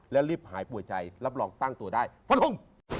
และรีบหายปวดใจรับรองตั้งตัวได้ฟ้าทุ่ม